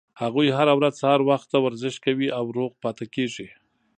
هغوي هره ورځ سهار وخته ورزش کوي او روغ پاتې کیږي